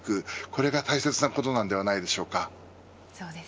これが大切なことではないでしょうか。